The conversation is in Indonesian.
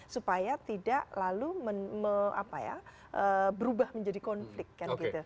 supaya tidak lalu berubah menjadi konflik kan gitu